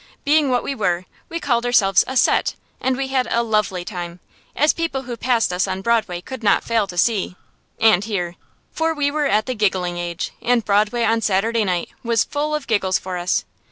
Being what we were, we called ourselves a "set," and we had a "lovely" time, as people who passed us on Broadway could not fail to see. And hear. For we were at the giggling age, and Broadway on Saturday night was full of giggles for us.